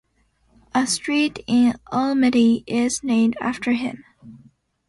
A street in Almaty is named after him.